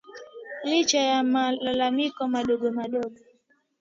licha ya malalamiko madogo madogo